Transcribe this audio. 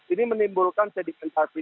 ini menimbulkan sedimentasi